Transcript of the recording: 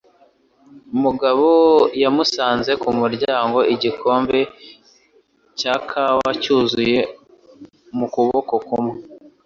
Mugabo yamusanze ku muryango, igikombe cya kawa cyuzuye mu kuboko kumwe.